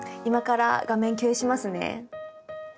今から画面共有しますね。